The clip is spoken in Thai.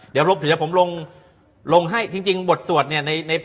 เล็กเล็กเล็กเล็กเล็กเล็กเล็กเล็กเล็กเล็กเล็ก